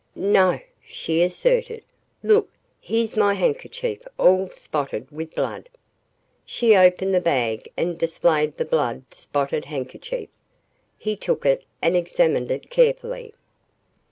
"No," she asserted. "Look here's my handkerchief all spotted with blood." She opened the bag and displayed the blood spotted handkerchief. He took it and examined it carefully.